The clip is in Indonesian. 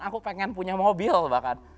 aku pengen punya mobil bahkan